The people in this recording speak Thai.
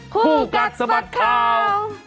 คู่กัดสะบัดข่าว